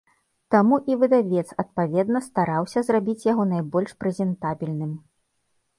Таму і выдавец адпаведна стараўся зрабіць яго найбольш прэзентабельным.